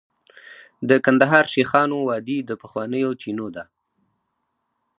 د کندهار شیخانو وادي د پخوانیو چینو ده